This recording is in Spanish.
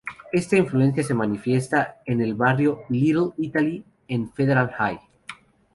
Esta influencia se manifiesta en el barrio Little Italy, en Federal Hill.